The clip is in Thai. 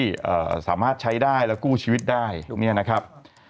สามารถใช้ได้แล้วกู้ชีวิตได้พวกนี้นะครับ